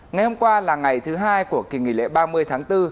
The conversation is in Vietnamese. ngày hôm qua là ngày thứ hai của kỳ nghỉ lễ ba mươi tháng bốn